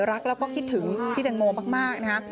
รักแล้วก็คิดถึงพี่แตงโมมากนะฮะ